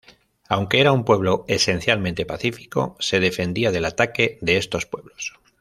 Aunque era un pueblo esencialmente pacífico, se defendían del ataque de estos pueblos.